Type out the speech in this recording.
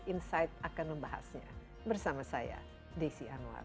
insight akan membahasnya bersama saya desi anwar